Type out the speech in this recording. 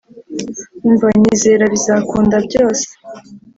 Umva nyizera bizakunda byose